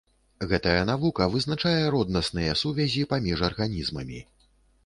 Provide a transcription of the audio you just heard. Гэтая навука вызначае роднасныя сувязі паміж арганізмамі.